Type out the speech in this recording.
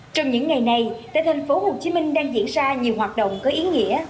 trong những ngày này tại thành phố hồ chí minh đang diễn ra nhiều hoạt động có ý nghĩa